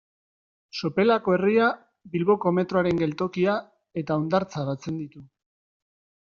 Sopelako herria, Bilboko metroaren geltokia eta hondartza batzen ditu.